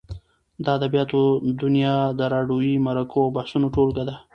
د ادبیاتو دونیا د راډیووي مرکو او بحثو ټولګه ده.